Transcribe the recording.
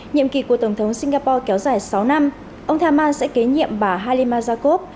nhiệm kỳ của tổng thống singapore kéo dài sáu năm ông thamman sẽ kế nhiệm bà halima jakov